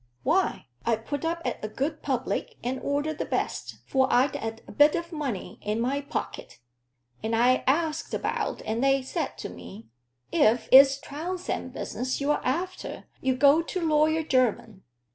"Why, I put up at a good public and ordered the best, for I'd a bit o' money in my pocket; and I axed about, and they said to me, if it's Trounsem business you're after, you go to Lawyer Jermyn.